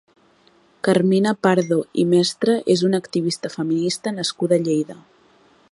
Carmina Pardo i Mestre és una activista feminista nascuda a Lleida.